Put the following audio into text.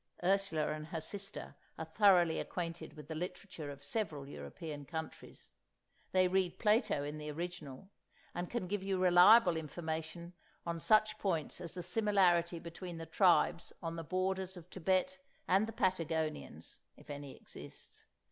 (Ursula and her sister are thoroughly acquainted with the literature of several European countries; they read Plato in the original; and can give you reliable information on such points as the similarity between the tribes on the borders of Tibet and the Patagonians—if any exists.